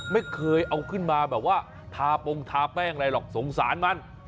ไม่เคยเอาขึ้นมาแบบว่าทาปงทาแป้งอะไรหรอกสงสารมัน